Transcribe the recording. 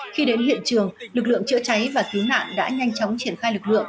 khi đến hiện trường lực lượng chữa cháy và cứu nạn đã nhanh chóng triển khai lực lượng